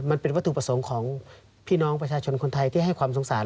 มันเป็นวัตถุประสงค์ของพี่น้องประชาชนคนไทยที่ให้ความสงสาร